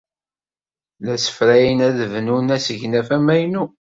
La ssefrayen ad bnun asegnaf amaynu.